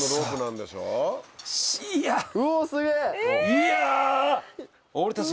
いや。